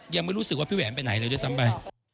ยังไม่รู้สึกว่าพี่แหวนไปไหนเลยด้วยซ้ำไป